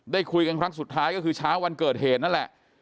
ได้คุยกันครั้งสุดท้ายก็คือเช้าวันเกิดเหตุนั่นแหละ